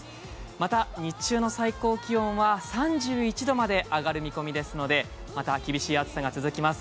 また日中の最高気温は３１度まで上がる見込みですのでまた厳しい暑さが続きます。